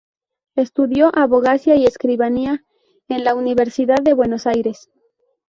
Estudió abogacía y escribanía en la Universidad de Buenos Aires.